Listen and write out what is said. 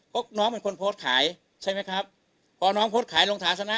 ก็น้องเป็นคนโพสต์ขายใช่ไหมครับพอน้องโพสต์ขายลงฐานะ